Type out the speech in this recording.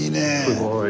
・すごい。